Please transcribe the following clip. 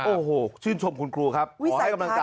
โอ้โหชื่นชมคุณครูครับขอให้กำลังใจ